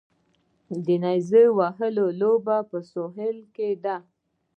د نیزه وهلو لوبه په سویل کې ده